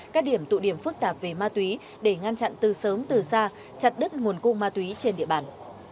các điểm tụ điểm phức tạp về ma túy để ngăn chặn từ sớm từ xa chặt đứt nguồn cung ma túy trên địa bàn